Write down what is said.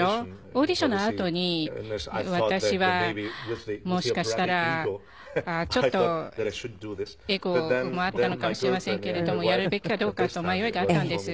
オーディションのあとに私はもしかしたらちょっとエゴもあったのかもしれませんけれどもやるべきかどうかと迷いがあったんです。